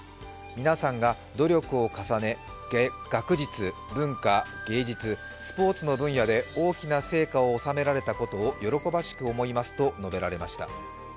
皆さんが努力を重ね学術、文化、芸術、スポーツの分野で大きな成果を収められたことを喜ばしく思いますと述べられました。